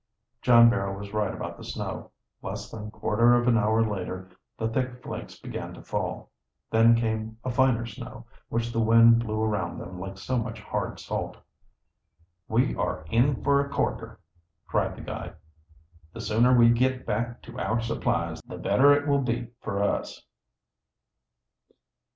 John Barrow was right about the snow. Less than quarter of an hour later the thick flakes began to fall. Then came a finer snow, which the wind blew around them like so much hard salt. "We are in for a corker!" cried the guide. "The sooner we git back to our supplies the better it will be for us!"